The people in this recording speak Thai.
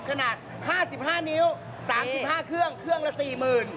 ขนาด๕๕นิ้ว๓๕เครื่องเครื่องละ๔๐๐๐บาท